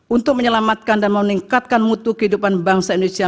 untuk menyelamatkan dan meningkatkan mutu kehidupan bangsa indonesia